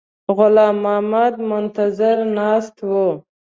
غلام محمد منتظر ناست وو.